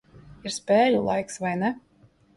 Ir spēļu laiks, vai ne?